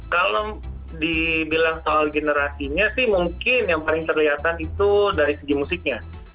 kalau dibilang soal generasinya sih mungkin yang paling terlihatan itu dari segi musiknya